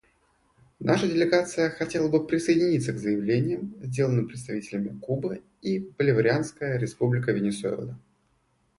Наша делегация хотела бы присоединиться к заявлениям, сделанным представителями Кубы и Боливарианская Республика Венесуэла.